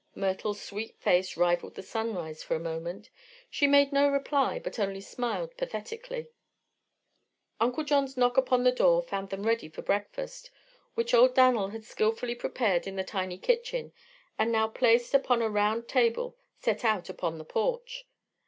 Myrtle's sweet face rivaled the sunrise for a moment. She made no reply but only smiled pathetically. Uncle John's knock upon the door found them ready for breakfast, which old Dan'l had skilfully prepared in the tiny kitchen and now placed upon a round table set out upon the porch.